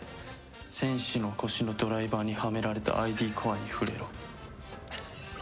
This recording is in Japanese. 「戦士の腰のドライバーに嵌められたＩＤコアに触れろ」